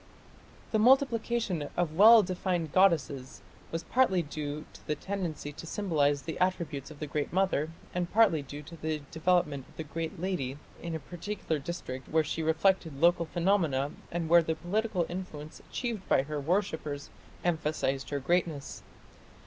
The multiplication of well defined goddesses was partly due to the tendency to symbolize the attributes of the Great Mother, and partly due to the development of the great "Lady" in a particular district where she reflected local phenomena and where the political influence achieved by her worshippers emphasized her greatness.